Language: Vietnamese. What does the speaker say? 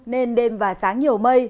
nên đêm và sáng nhiều mây